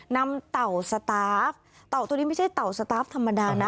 เต่าสตาฟเต่าตัวนี้ไม่ใช่เต่าสตาร์ฟธรรมดานะ